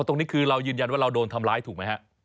ตรงนี้คือเรายืนยันว่าเราโดนทำร้ายถูกไหมฮะ